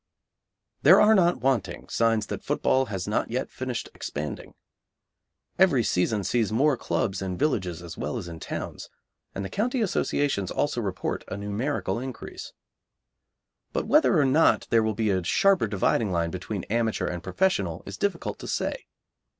There are not wanting signs that football has not yet finished expanding. Every season sees more clubs in villages as well as in towns, and the County Associations also report a numerical increase. But whether or not there will be a sharper dividing line between amateur and professional is difficult to say.